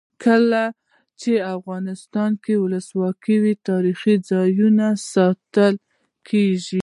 کله چې افغانستان کې ولسواکي وي تاریخي ځایونه ساتل کیږي.